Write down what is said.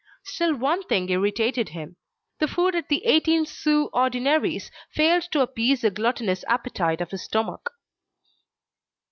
Still one thing irritated him: the food at the eighteen sous ordinaries failed to appease the gluttonous appetite of his stomach.